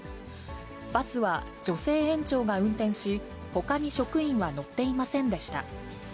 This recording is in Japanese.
バスは女性園長が運転し、ほかに職員は乗っていませんでした。